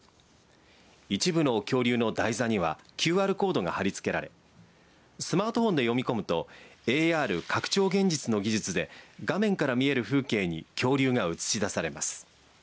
一部の恐竜の台座にはＱＲコードが貼り付けられスマートフォンで読み込むとＡＲ、拡張現実の技術で画面から見える風景に恐竜が映し出されます。